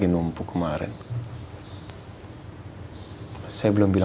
iya temenan ya